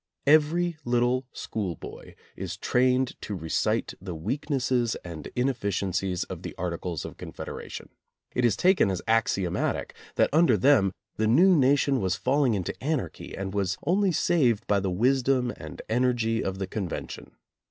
Every little school boy is trained to recite the weaknesses and inefficiencies of the Articles of Confederation. It is taken as axiomatic that un der them the new nation was falling into anarchy and was only saved by the wisdom and energy of the Convention.